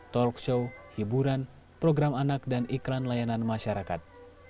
talk show hiburan program anak dan iklan layanan masyarakat